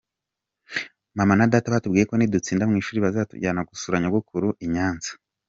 Mama na data batubwiyeko nidutsinda mwishuri bazatujyana gusura nyogokuru I Nyanza.